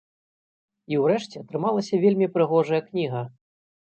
І ўрэшце атрымалася вельмі прыгожая кніга.